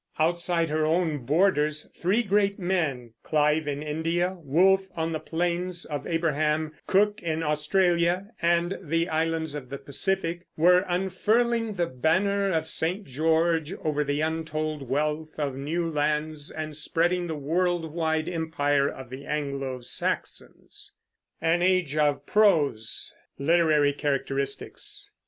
Outside her own borders three great men Clive in India, Wolfe on the Plains of Abraham, Cook in Australia and the islands of the Pacific were unfurling the banner of St. George over the untold wealth of new lands, and spreading the world wide empire of the Anglo Saxons. LITERARY CHARACTERISTICS.